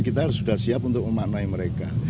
kita harus sudah siap untuk memanai mereka